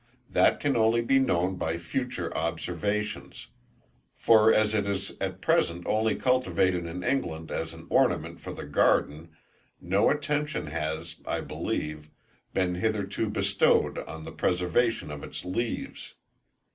That can only be known by future observations; for as it is at present only cultivated in England as an ornament for the garden, no attention has, I believe, been hitherto bestowed on the preservation of its leaves.